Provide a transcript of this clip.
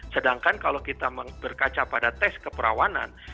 sedangkan kalau kita berkaca pada tes keperawanan